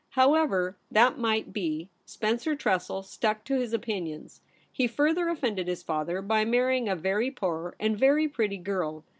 However that might be, Spencer Tressel stuck to his opinions. He further offended his father by marrying a very poor and very pretty girl.